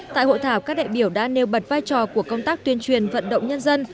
tại hội thảo các đại biểu đã nêu bật vai trò của công tác tuyên truyền vận động nhân dân